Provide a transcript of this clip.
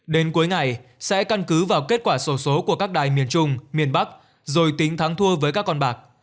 đến cuối ngày sẽ căn cứ vào kết quả sổ số của các đài miền trung miền bắc rồi tính thắng thua với các con bạc